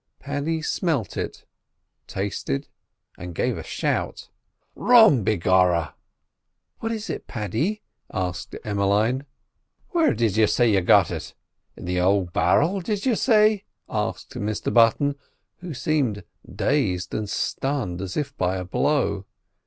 Paddy smelt it, tasted, and gave a shout. "Rum, begorra!" "What is it, Paddy?" asked Emmeline. "Where did you say you got it—in the ould bar'l, did you say?" asked Mr Button, who seemed dazed and stunned as if by a blow.